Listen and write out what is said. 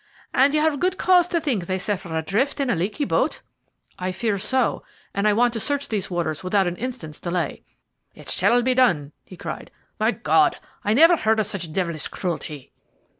"And you have good cause to think they set her adrift in a leaky boat?" "I fear so, and I want to search these waters without an instant's delay." "It shall be done," he cried. "My God! I never heard of such devilish cruelty."